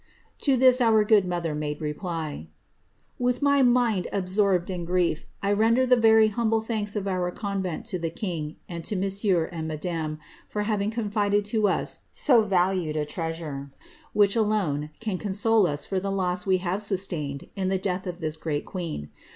'*' To this our good mother made reply :—^^^ With my mind absorbed in grief. I render the very humble thanki of our convent to the king, and to Monsieur and Madame, for haviof confided to us so valued a treasure, which alone can console us for the loss M'e have sustained in the death of this great queen.